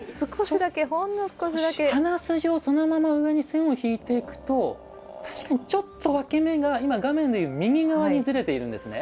鼻筋をそのまま上に線を引いていくとちょっと分け目が画面でいう右側にずれているんですね。